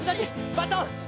バトン！